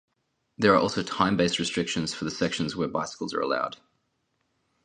There are also time-based restrictions for the sections where bicycles are allowed.